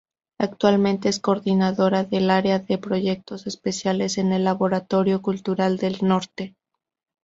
Actualmente es coordinadora del área de proyectos especiales en el "Laboratorio Cultural del Norte".